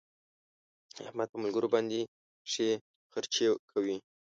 احمد په ملګرو باندې ښې خرڅې کوي.